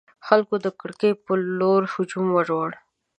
خلکو د کړکۍ پر لور هجوم وروړ.